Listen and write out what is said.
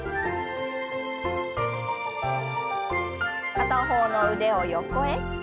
片方の腕を横へ。